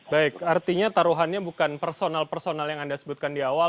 baik artinya taruhannya bukan personal personal yang anda sebutkan di awal